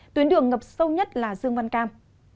tuyến đường ngập sâu nhất là dương văn cam